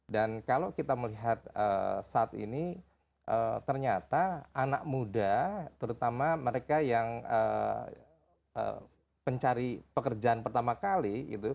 dan kalau kita melihat saat ini ternyata anak muda terutama mereka yang pencari pekerjaan pertama kali